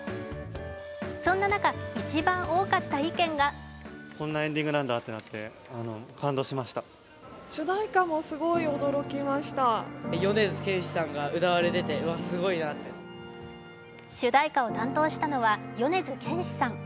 そんな中、一番多かった意見が主題歌を担当したのは米津玄師さん。